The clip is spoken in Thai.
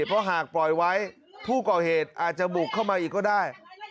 เพราะหากปล่อยไว้ผู้ก่อเหตุอาจจะบุกเข้ามาอีกก็ได้